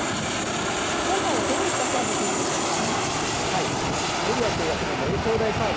今回はどういったサービスなんでしょうか？